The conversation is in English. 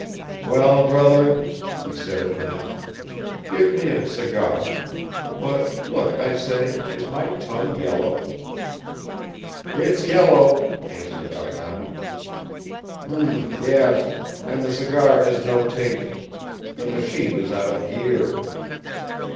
"Well, brother," he said at last, "give me a cigar ... but look, I say, is my tongue yellow?" "It's yellow," answered Arkady. "Hm yes ... and the cigar has no taste. The machine is out of gear."